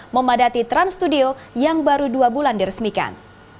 memadati trans studio yang baru dua bulan diresmikan